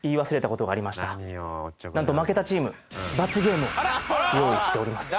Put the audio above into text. なんと負けたチーム罰ゲームを用意しております。